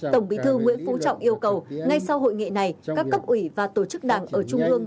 tổng bí thư nguyễn phú trọng yêu cầu ngay sau hội nghị này các cấp ủy và tổ chức đảng ở trung ương